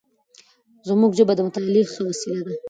زموږ ژبه د مطالعې ښه وسیله ده.